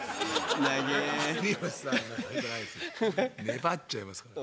粘っちゃいますから。